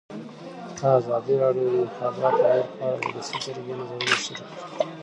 ازادي راډیو د د انتخاباتو بهیر په اړه د ولسي جرګې نظرونه شریک کړي.